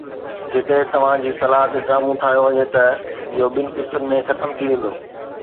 جيڪڏهن توهان جي صلاح تي ڊرامو ٺاهيو وڃي ته اهو ٻن قسطن ۾ ختم ٿي ويندو